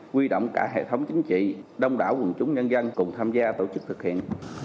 quy động cả hệ thống chính trị đông đảo quần chúng nhân dân cùng tham gia tổ chức thực hiện